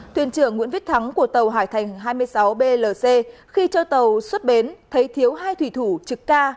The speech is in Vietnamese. thuyền trưởng nguyễn viết thắng của tàu hải thành hai mươi sáu blc khi cho tàu xuất bến thấy thiếu hai thủy thủ trực ca